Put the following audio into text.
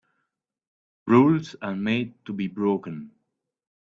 Rules are made to be broken.